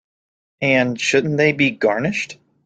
And shouldn't they be garnished?